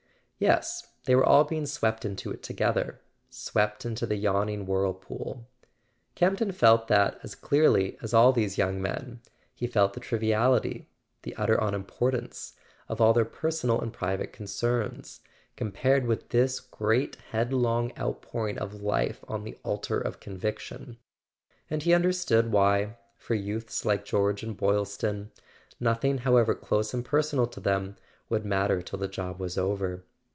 Yes, they were all being swept into it together— swept into the yawning whirlpool. Campton felt that as clearly as all these young men; he felt the triviality, the utter unimportance, of all their personal and private concerns, compared with this great headlong outpour¬ ing of life on the altar of conviction. And he understood why, for youths like George and Boylston, nothing, however close and personal to them, would matter till the job was over.